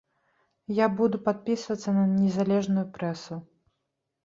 Я буду падпісвацца на незалежную прэсу.